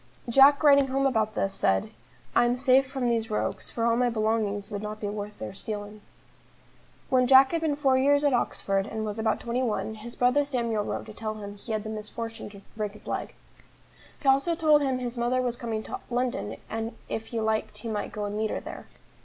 Jack writing home about this said: "I am safe from these rogues, for all my belongings would not be worth their stealing." When Jack had been four years at Oxford, and was about twenty one, his brother Samuel wrote to tell him he had had the misfortune to break his leg. He also told him his mother was coming to London, and if he liked he might go and meet her there.